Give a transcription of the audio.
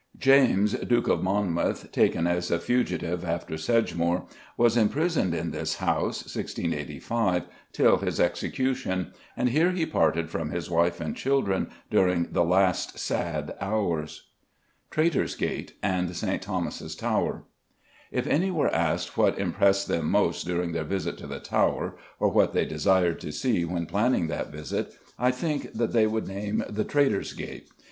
James, Duke of Monmouth, taken as a fugitive after Sedgemoor, was imprisoned in this house (1685) till his execution, and here he parted from his wife and children during the last sad hours. Traitor's Gate and St. Thomas's Tower. If any were asked what impressed them most during their visit to the Tower, or what they desired to see when planning that visit, I think that they would name the Traitor's Gate.